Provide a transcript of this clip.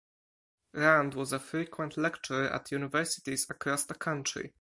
Rand was a frequent lecturer at universities across the country.